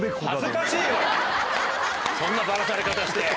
そんなバラされ方して。